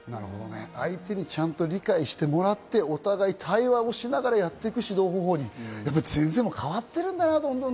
相手に理解してもらって、お互い対話をしながらやっていく指導方法に変わってるんだな。